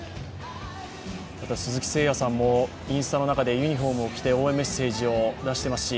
鈴木誠也さんもインスタの中でユニフォームを着て応援メッセージを出してますし